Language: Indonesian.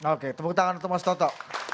oke tepuk tangan untuk mas toto